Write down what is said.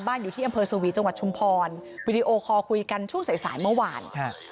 อยู่ที่อำเภอสวีจังหวัดชุมพรวิดีโอคอลคุยกันช่วงสายสายเมื่อวาน